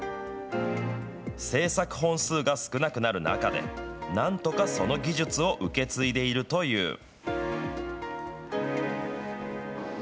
制作本数が少なくなる中で、なんとかその技術を受け継いでいるという。